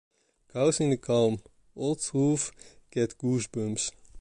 causing the calm, old trove get goosebumps